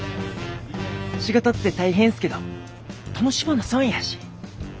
仕事って大変っすけど楽しまな損やし。